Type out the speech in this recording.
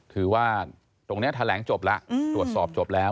ถือว่าตรงนี้แถลงจบแล้วตรวจสอบจบแล้ว